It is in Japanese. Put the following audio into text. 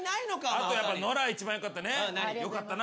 あとやっぱりノラ一番よかったね。